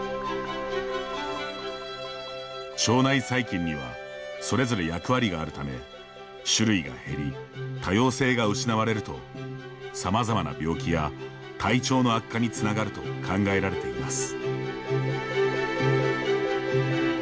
腸内細菌にはそれぞれ役割があるため種類が減り多様性が失われるとさまざまな病気や体調の悪化につながると考えられています。